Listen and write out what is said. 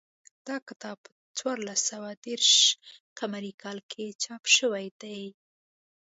دا کتاب په څوارلس سوه دېرش قمري کال کې چاپ شوی دی